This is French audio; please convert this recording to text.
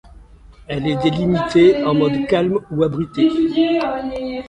Elle est délimitée en mode calme ou abrité.